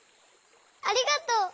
ありがとう！